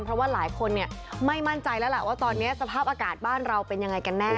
เพราะว่าหลายคนไม่มั่นใจแล้วล่ะว่าตอนนี้สภาพอากาศบ้านเราเป็นยังไงกันแน่